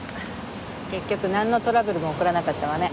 結局なんのトラブルも起こらなかったわね。